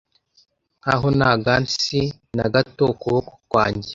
nkaho nta gants na gato ukuboko kwanjye